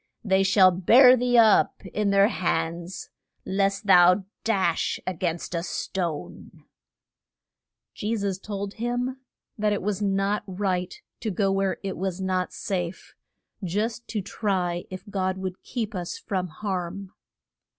They shall bear thee up in their hands lest thou dash a gainst a stone. [Illustration: THE TEMPT A TION.] Je sus told him that it was not right to go where it was not safe, just to try if God would keep us from harm.